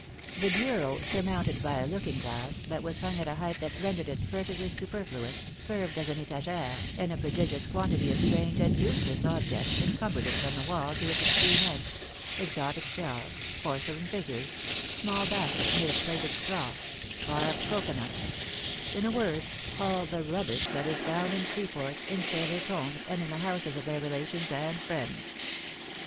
The bureau, surmounted by a looking glass, that was philom^:ne^s maekiages. 21 hung at a height that rendered it perfectly superfluous, served as an Uagh'Cy and a prodigious quantity of strange and useless objects encumbered it from the wall to its ex treme edge — exotic shells, porcelain figures, small baskets made of plaited straw, carved cocoa nuts — in a word, all the rubbish that is found in seaports, in sailors' homes, and in the houses of their relations and friends.